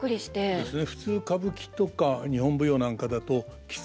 そうですね。